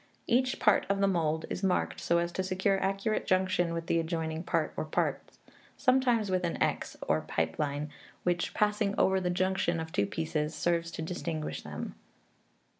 Each part of the mould is marked so as to secure accurate junction with the adjoining part or parts; sometimes with a x or ||, which, passing over the junction of two pieces, serves to distinguish them.